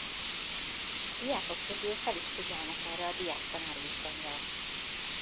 A diákok közül fel is figyelnek erre a diák-tanár viszonyra.